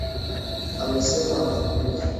Amesema anakuja